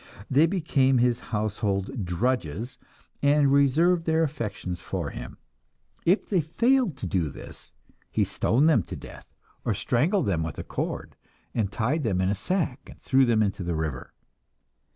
They became his household drudges, and reserved their affections for him; if they failed to do this, he stoned them to death, or strangled them with a cord and tied them in a sack and threw them into the river.